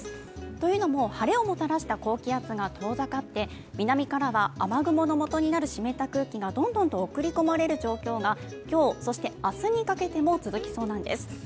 というのも晴れをもたらした高気圧が遠ざかって南からは雨雲のもとになる湿った空気がどんどんと送り込まれる状況が今日、そして明日にかけても続きそうなんです。